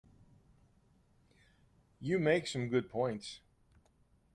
You make some good points.